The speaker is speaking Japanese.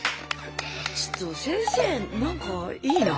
ちょっと先生何かいいなあ。